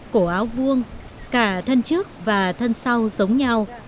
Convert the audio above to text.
cổ áo vuông cả thân trước và thân sau giống nhau